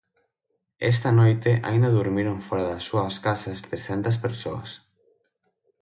Esta noite aínda durmiron fóra das súas casas trescentas persoas.